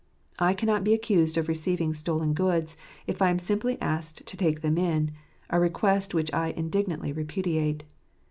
I cannot be accused of receiving stolen goods, if I am simply asked to take them in — a request which I indignantly repudiate.